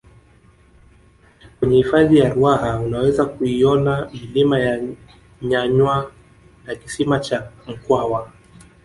kwenye hifadhi ya ruaha unaweza kuiona milima ya nyanywa na kisima cha mkwawa